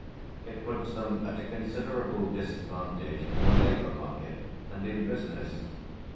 It puts them at a considerable disadvantage in the labour market and in business.